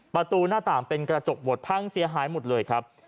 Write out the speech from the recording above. ประตูหน้าต่างเป็นกระจกหมดพังเสียหายหมดเลยครับ